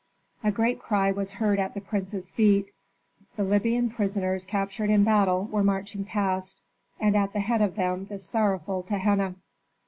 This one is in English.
A great cry was heard at the prince's feet: the Libyan prisoners captured in battle were marching past, and at the head of them the sorrowful Tehenna.